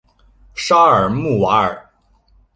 沙尔穆瓦尔。